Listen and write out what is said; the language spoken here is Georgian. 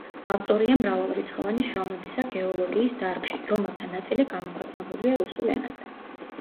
ავტორია მრავალრიცხოვანი შრომებისა გეოლოგიის დარგში, რომელთა ნაწილი გამოქვეყნებულია რუსულ ენაზე.